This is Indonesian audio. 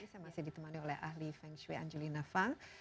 saya masih ditemani oleh ahli feng shui angelina fang